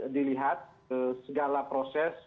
dilihat segala proses